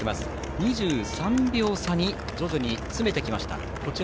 ２３秒差に徐々に詰めてきました。